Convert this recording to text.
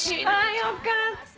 よかった。